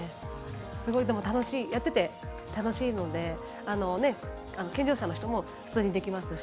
すごい、やってて楽しいので健常者の人も普通にできますし。